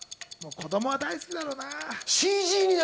子供は大好きだろうな。